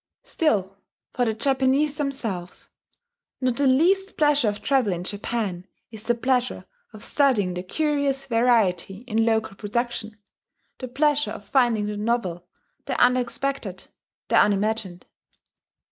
Still, for the Japanese themselves, not the least pleasure of travel in Japan is the pleasure of studying the curious variety in local production, the pleasure of finding the novel, the unexpected, the unimagined.